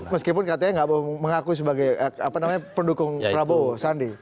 meskipun katanya tidak mengaku sebagai pendukung prabowo sandi